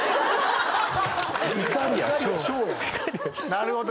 なるほど。